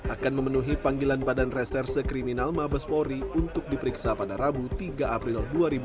akan memenuhi panggilan badan reserse kriminal mabespori untuk diperiksa pada rabu tiga april dua ribu dua puluh empat